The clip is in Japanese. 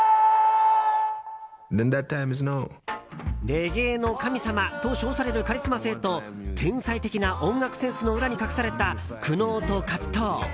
レゲエの神様と称されるカリスマ性と天才的な音楽センスの裏に隠された、苦悩と葛藤。